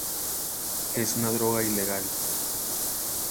Es una droga ilegal.